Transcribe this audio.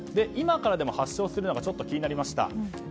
今からでも発症するのかちょっと気になりました。